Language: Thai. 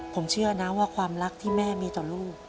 ผมเชื่อนะว่าความรักที่แม่มีต่อลูก